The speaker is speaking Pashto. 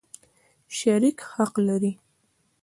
شریک حق لري.